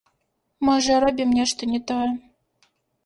Можа, робім нешта не тое.